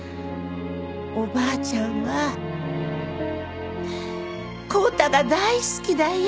おばあちゃんは康太が大好きだよ。